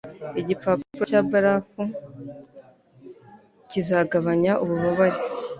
Igipapuro cya barafu kizagabanya ububabare.